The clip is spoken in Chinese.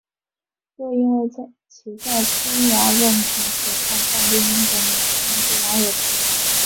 又因为其在天涯论坛诽谤范冰冰等明星被网友唾弃。